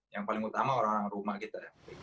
yang paling utama orang orang rumah kita